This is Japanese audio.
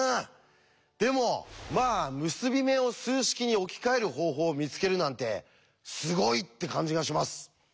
でもまあ結び目を数式に置き換える方法を見つけるなんてすごいって感じがします。